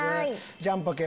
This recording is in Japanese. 「ジャンポケ」